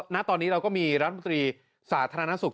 ณตอนนี้เราก็มีรัฐมนตรีสาธารณสุข